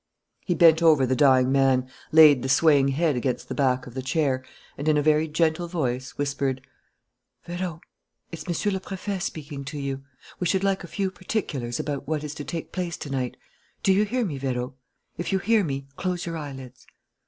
He bent over the dying man, laid the swaying head against the back of the chair, and, in a very gentle voice, whispered: "Vérot, it's Monsieur le Préfet speaking to you. We should like a few particulars about what is to take place to night. Do you hear me, Vérot? If you hear me, close your eyelids."